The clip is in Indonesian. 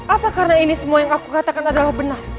apa karena ini semua yang aku katakan adalah benar